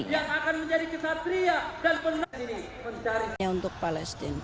yang akan menjadi kisah pria dan penadiri mencarinya untuk palestina